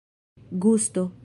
gusto